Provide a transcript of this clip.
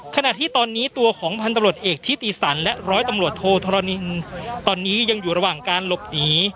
ขณะที่ตอนนี้ตัวของพันธุ์ตำรวจเอกที่ตีสันและร้อยตำรวจโทษทรณียังอยู่ระหว่างการหลบหนี